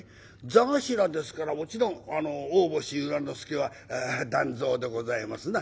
座頭ですからもちろん大星由良之助は団蔵でございますな。